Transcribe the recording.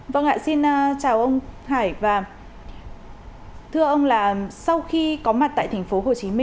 vâng ạ xin chào ông hải và thưa ông là sau khi có mặt tại tp hcm